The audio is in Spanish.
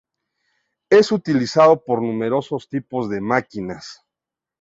Es utilizado por numerosos tipos de máquinas.